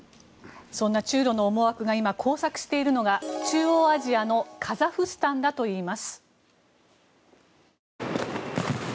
そんな中ロの思惑が今、交錯しているのが中央アジアのカザフスタンだといいます。